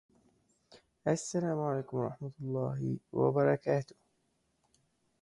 Users can then alter the object by cutting off or adding sections.